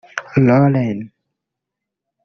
Lauren